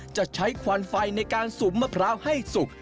จะใช้ควันไฟในการสุ่มมะพร้าวให้สุก